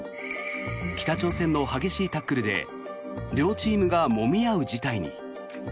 北朝鮮の激しいタックルで両チームがもみ合う事態に。